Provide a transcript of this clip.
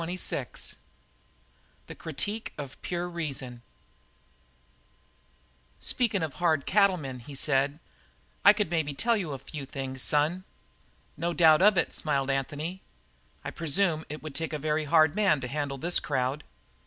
CHAPTER XXVI "THE CRITIQUE OF PURE REASON" "Speakin' of hard cattlemen," he said, "I could maybe tell you a few things, son." "No doubt of it," smiled Anthony. "I presume it would take a very hard man to handle this crowd."